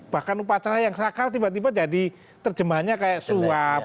bahkan upacara yang sakal tiba tiba jadi terjemahnya kayak suap